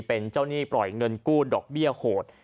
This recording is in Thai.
เป็นเจ้าหนี้ปล่อยเงินกู้ดอกเบี้ยโหด